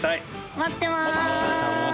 待ってまーす。